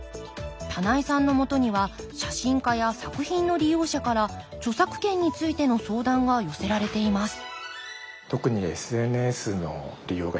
棚井さんのもとには写真家や作品の利用者から著作権についての相談が寄せられています